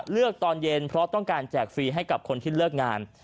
ตอนเย็นเพราะต้องการแจกฟรีให้กับคนที่เลิกงาน